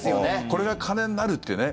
これが金になるってね。